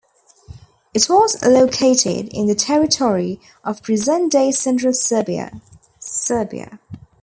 It was located in the territory of present-day Central Serbia, Serbia.